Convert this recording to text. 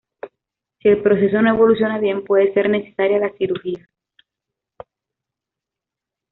Si el proceso no evoluciona bien puede ser necesaria la cirugía.